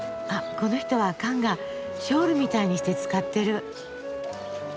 この人はカンガショールみたいにして使ってる。